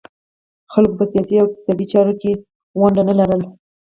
خلکو په سیاسي او اقتصادي چارو کې ونډه نه لرله